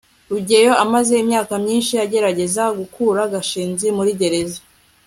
rugeyo amaze imyaka myinshi agerageza gukura gashinzi muri gereza